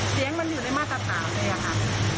เสียงมันอยู่ในมาตรฐานเลยอะค่ะ